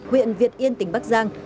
huyện việt yên tỉnh bắc giang